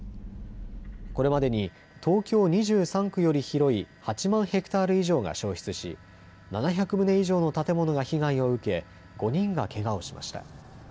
これまでに東京２３区より広い、８万ヘクタール以上が焼失し７００棟以上の建物が被害を受け５人がけがをしました。